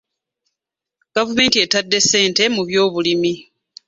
Gavumenti etadde ssente mu byobulimi.